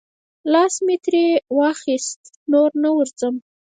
لاس مې ترې واخیست، نور نه ورځم.